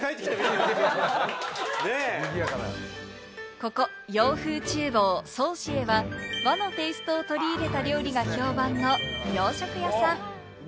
ここ洋風厨房・ソーシエは和のテイストを取り入れた料理が評判の洋食屋さん。